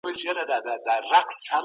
ايا ټولنپوهنه يوازې تيوري ده؟